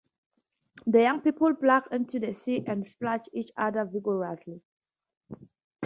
The young people plunged into the sea and splashed each other vigorously.